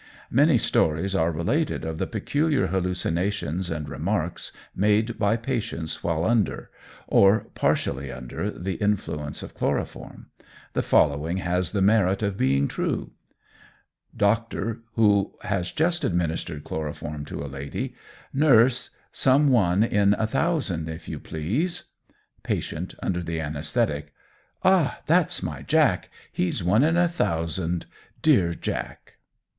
Many stories are related of the peculiar hallucinations and remarks made by patients while under, or partially under the influence of chloroform. The following has the merit of being true: "Doctor (who has just administered chloroform to a lady): 'Nurse, some 1 in 1,000, if you please.' "Patient (under the anæsthetic): 'Ah! that's my Jack. He's one in a thousand. Dear Jack!'"